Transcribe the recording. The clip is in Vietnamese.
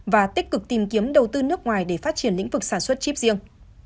và tích cực tìm kiếm đầu tư nước ngoài để phát triển lĩnh vực sản xuất chip riêng